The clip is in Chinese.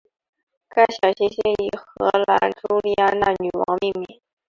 该小行星以荷兰朱丽安娜女王命名。